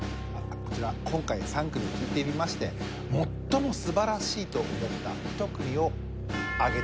こちら今回３組聴いてみまして最も素晴らしいと思った１組を上げてください。